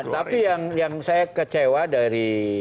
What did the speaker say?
tapi yang saya kecewa dari